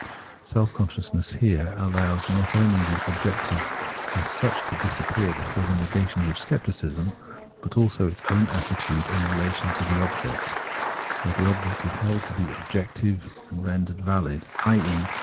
Self consciousness here allows not only the objective as such to disappear before the negations of Scepticism, but also its own attitude and relation to the object, where the object is held Scepticism 197 to be objective and rendered 'valid — i.e.